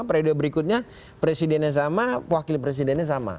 periode berikutnya presidennya sama wakil presidennya sama